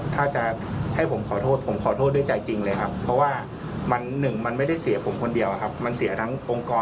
แต่พี่ลายเดอร์เขายัง